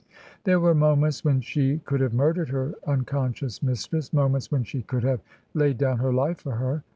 There were moments when she could have murdered her unconscious mistress, moments when she could have laid down her life for her.